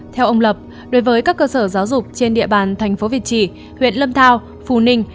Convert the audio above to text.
theo ông lập đối với các cơ sở giáo dục trên địa bàn thành phố việt trì huyện lâm thao phù ninh